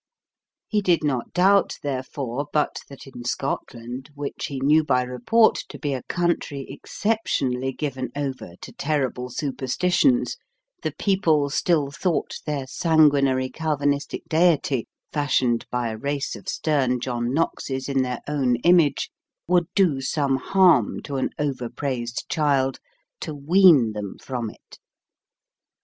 He did not doubt, therefore, but that in Scotland, which he knew by report to be a country exceptionally given over to terrible superstitions, the people still thought their sanguinary Calvinistic deity, fashioned by a race of stern John Knoxes in their own image, would do some harm to an over praised child, "to wean them from it."